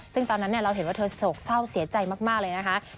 ซึ่งตอนนั้นเราเห็นว่าเธอโศกเศร้าเสียใจมากเลยนะคะ